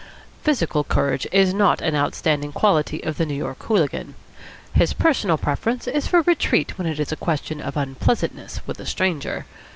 Physical courage is not an outstanding quality of the New York hooligan. His personal preference is for retreat when it is a question of unpleasantness with a stranger.